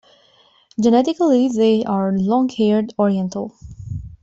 Genetically they are long-haired Oriental.